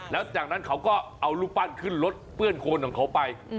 แล้วจากนั้นเขาก็เอารูปปั้นขึ้นรถเปื้อนโคนของเขาไป